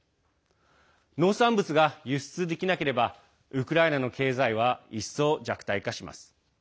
農産物が輸出できなければウクライナの経済は一層、弱体化します。